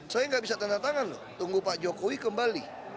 saya nggak bisa tanda tangan loh tunggu pak jokowi kembali